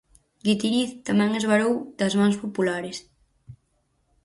Guitiriz tamén esvarou das mans populares.